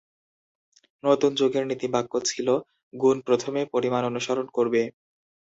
নতুন যুগের নীতিবাক্য ছিল "গুণ প্রথমে, পরিমাণ অনুসরণ করবে"।